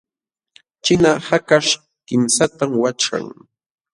Ćhina hakaśh kimsatam waćhan.